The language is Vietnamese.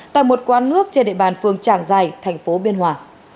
tại một quán nước trên địa bàn phương trảng giải thành phố biên hòa